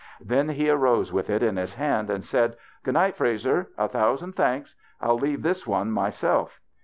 Then he arose with it in his hand and said, " Good night, Frazer. A thousand thanks. I'll leave this one myself.